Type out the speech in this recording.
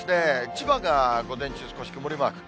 千葉が午前中、少し曇りマーク。